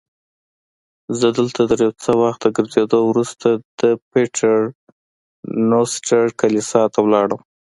زه دلته تر یو څه وخت ګرځېدو وروسته د پیټر نوسټر کلیسا ته ولاړم.